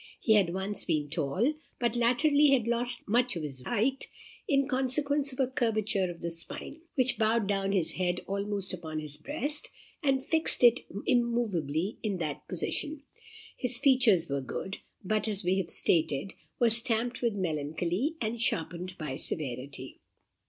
He had once been tall, but latterly had lost much of his height, in consequence of a curvature of the spine, which bowed down his head almost upon his breast, and fixed it immoveably in that position. His features were good, but, as we have stated, were stamped with melancholy, and sharpened by severity.